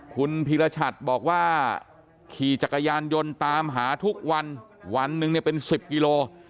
คุณพีรชัดบอกว่าขี่จักรยานยนต์ตามหาทุกวันวันหนึ่งเนี่ยเป็น๑๐กิโล